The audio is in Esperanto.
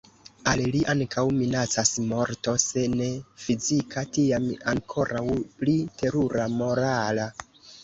Al li ankaŭ minacas morto, se ne fizika, tiam ankoraŭ pli terura morala.